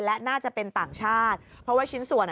และน่าจะเป็นต่างชาติเพราะว่าชิ้นส่วน